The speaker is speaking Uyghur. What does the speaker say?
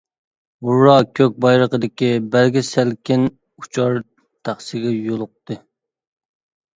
ھۇررا كۆك بايرىقىدىكى بەلگە سەلكىن ئۇچار تەخسىگە يولۇقتى!